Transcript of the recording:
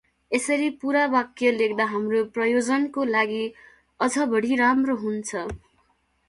यसरी पुरा वाक्य लेख्दा हाम्रो प्रयोजनको लागि अझ बढी राम्रो हुन्छ ।